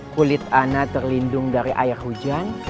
kulit ana terlindung dari air hujan